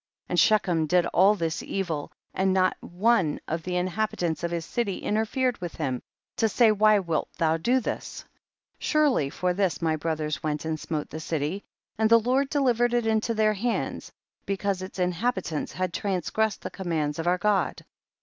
53. And Shechem did all this evil and not one of the inhabitants of his city interfered with him, to say, why wilt thou do this ? surely for this my brothers went and smote the city, and the J^ord delivered it into their hands, because its inhabitants had transgressed the commands of our God.